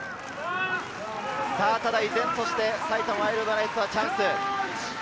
依然として埼玉ワイルドナイツはチャンスです。